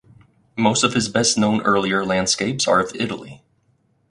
Most of his best known earlier landscapes are of Italy.